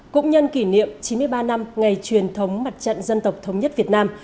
cũng nhân kỷ niệm chín mươi ba năm ngày truyền thống mặt trận dân tộc thống nhất việt nam